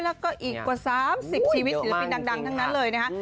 แล้วก็อีกกว่า๓๐ชีวิตศิลปินดังทั้งนั้นเลยนะคะ